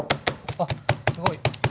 あっすごい。